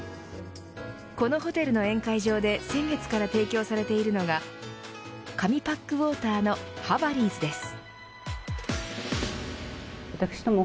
このホテルの宴会場で先月から提供されているのが紙パックウォーターのハバリーズです。